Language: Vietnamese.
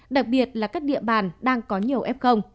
đặc biệt là các địa bàn đang có nhiều f